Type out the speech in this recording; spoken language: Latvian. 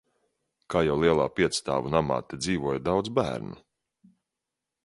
Kā jau lielā piecstāvu namā te dzīvoja daudz bērnu.